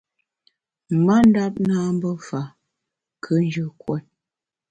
Ma ndap nâ mbe fa, nkùnjù kuot.